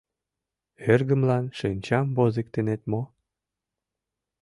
Эргымлан шинчам возыктынет мо?